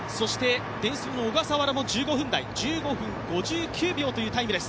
デンソーの小笠原も１５分台、１５分５９秒というタイムです。